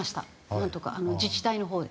なんとか自治体のほうで。